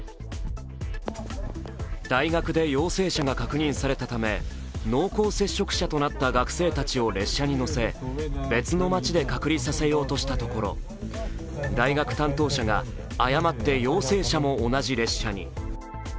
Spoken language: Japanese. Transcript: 大学で陽性者が確認されたため濃厚接触者となった学生たちを列車に乗せ別の街で隔離させようとしたところ、大学担当者が誤って陽性者も同じ列車に。